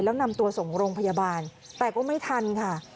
แล้วนำตัวส่งโรงพยาบาลแต่ก็ไม่ทันค่ะ